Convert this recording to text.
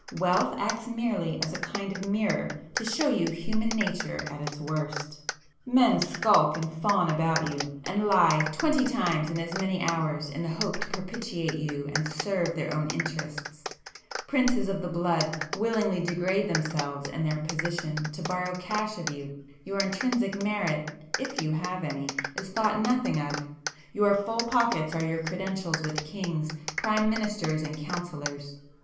Wealth acts merely as a kind of mirror to show you human nature at its worst. Men skulk and fawn about you, and lie twenty times in as many hours in the hope to propitiate you and serve their own interests; princes of the blood willingly degrade themselves and their position to borrow cash of you,—your intrinsic merit (if you have any) is thought nothing of,—your full pockets are your credentials with kings, prime ministers and councillors!